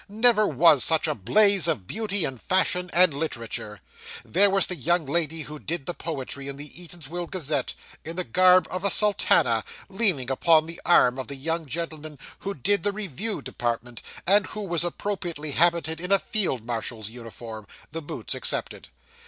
Never was such a blaze of beauty, and fashion, and literature. There was the young lady who 'did' the poetry in the Eatanswill Gazette, in the garb of a sultana, leaning upon the arm of the young gentleman who 'did' the review department, and who was appropriately habited in a field marshal's uniform the boots excepted.